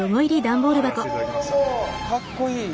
かっこいい。